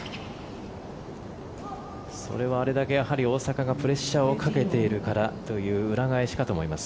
それはあれだけやはり大坂がプレッシャーをかけているからという裏返しかと思います。